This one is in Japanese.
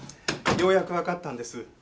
ようやくわかったんです。